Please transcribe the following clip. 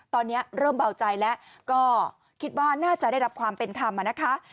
ตอนนี้เริ่มเบาใจแล้วก็คิดว่าน่าจะได้รับความเป็นธรรมนะคะ